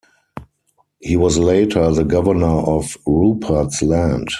He was later the Governor of Rupert's Land.